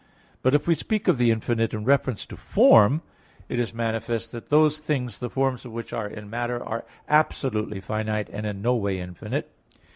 But if we speak of the infinite in reference to form, it is manifest that those things, the forms of which are in matter, are absolutely finite, and in no way infinite.